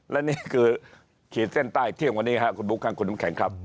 และนี่คือขีดเส้นใต้เที่ยงวันนี้ครับคุณบุ๊คครับคุณน้ำแข็งครับ